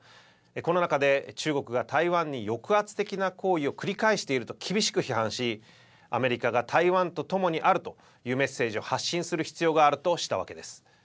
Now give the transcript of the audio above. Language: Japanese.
この中で、中国が台湾に抑圧的な行為を繰り返していると厳しく批判し、アメリカが台湾と共にあるというメッセージを発信する必要があるとしたわけです。